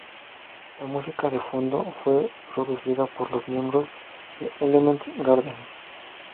La música de fondo fue producida por los miembros de Elements Garden.